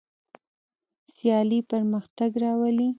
سیالي پرمختګ راولي.